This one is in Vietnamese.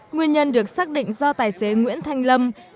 nguyên nhân được xác định do tài xế nguyễn thanh lâm